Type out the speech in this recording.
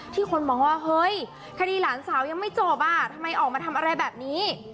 คนมองว่าเฮ้ยคดีหลานสาวยังไม่จบอ่ะทำไมออกมาทำอะไรแบบนี้